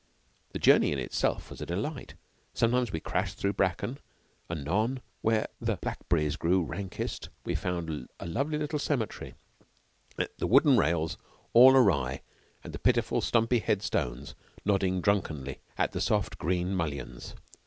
The journey in itself was a delight. Sometimes we crashed through bracken; anon, where the blackberries grew rankest, we found a lonely little cemetery, the wooden rails all awry and the pitiful, stumpy head stones nodding drunkenly at the soft green mullions.